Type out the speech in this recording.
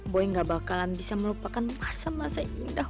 boy gak bakalan bisa melupakan masa masa indah